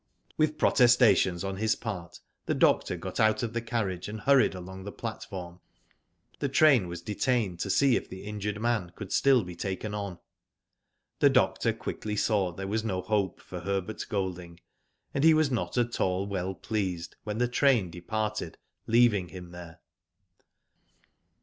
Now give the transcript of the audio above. With protestations on his part the doctor got out of the carriage and hurried along the platform. The train was detained to see if the injured man could still be taken on. The doctor quickly saw there was no hope for Herbert Golding, and he was not at all well Digitized byGoogk 282 WHO DID ITf pleased when the train departed, leaving him there.